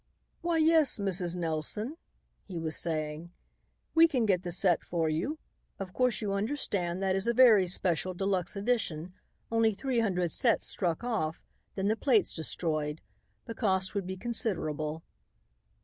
"Why, yes, Mrs. Nelson," he was saying, "we can get the set for you. Of course you understand that is a very special, de luxe edition; only three hundred sets struck off, then the plates destroyed. The cost would be considerable."